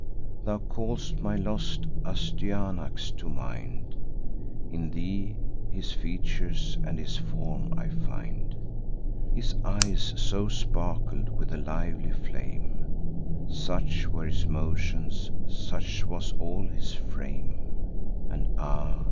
Thou call'st my lost Astyanax to mind; In thee his features and his form I find: His eyes so sparkled with a lively flame; Such were his motions; such was all his frame; And ah!